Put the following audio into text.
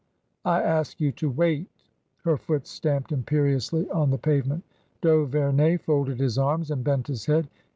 " I ask you to wait !" Her foot stamped imperiously on the pavement. D'Auverney folded his arms and bent his head.